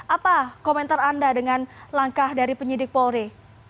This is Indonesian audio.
apa komentar anda dengan langkah dari penyidik polri